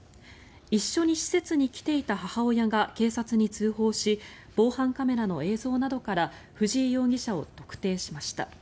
一緒に施設に来ていた母親が警察に通報し防犯カメラの映像などから藤井容疑者を特定しました。